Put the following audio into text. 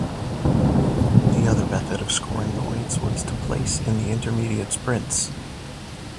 The other method of scoring points was to place in the intermediate sprints.